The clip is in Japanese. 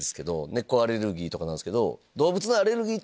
猫アレルギーとかなんすけど。